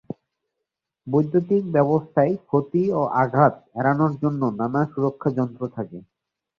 বৈদ্যুতিক ব্যবস্থায় ক্ষতি ও আঘাত এড়ানোর জন্য নানা সুরক্ষা যন্ত্র থাকে।